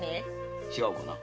違うかな。